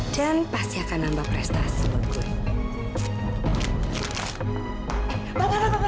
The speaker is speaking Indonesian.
dan pasti akan nambah prestasi buat gue